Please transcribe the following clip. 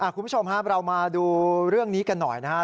คุณผู้ชมเรามาดูเรื่องนี้กันหน่อยนะฮะ